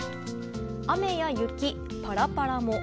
雨や雪、パラパラも。